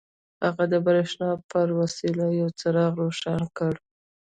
هغه د برېښنا په وسيله يو څراغ روښانه کړ.